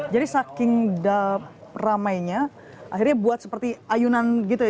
jadi saking ramainya akhirnya buat seperti ayunan gitu